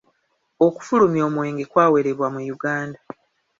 Okufulumya omwenge kwawerebwa mu Uganda.